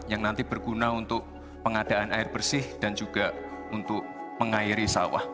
yang nanti berguna untuk pengadaan air bersih dan juga untuk mengairi sawah